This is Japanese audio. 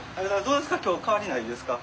どうですか？